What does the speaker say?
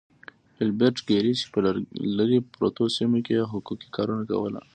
ايلبرټ ګيري چې په لرې پرتو سيمو کې يې حقوقي کارونه کول.